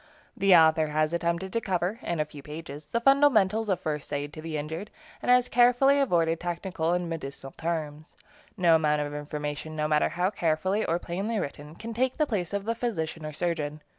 The author has attempted to cover, in a few pages, the fundamentals of first aid to the injured, and has carefully avoided technical and medicinal terms. No amount of information, no matter how carefully or plainly written, can take the place of the physician or surgeon.